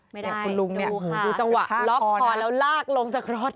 ไม่ได้ดูจังหวะล็อกพอแล้วลากลงจากรถ